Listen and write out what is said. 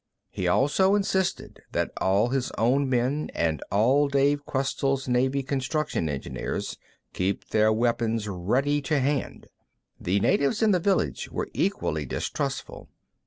He also insisted that all his own men and all Dave Questell's Navy construction engineers keep their weapons ready to hand. The natives in the village were equally distrustful.